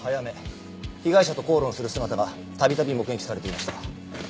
被害者と口論する姿が度々目撃されていました。